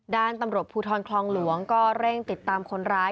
ด้านตำรวจภูทรคลองหลวงก็เร่งติดตามคนร้าย